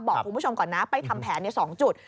บอกคุณผู้ชมก่อนนะไปทำแผน๒จุด